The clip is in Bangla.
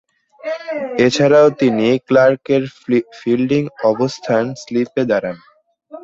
এছাড়াও তিনি ক্লার্কের ফিল্ডিং অবস্থান স্লিপে দাঁড়ান।